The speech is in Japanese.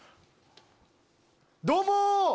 どうも！